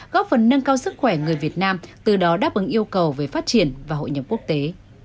góp phần nâng cao sức khỏe người việt nam từ đó đáp ứng yêu cầu về phát triển và hội nhập quốc tế